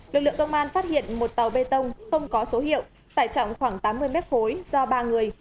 lực lượng công an phát hiện một tàu bê tông không có số hiệu tải trọng khoảng tám mươi m khối do ba người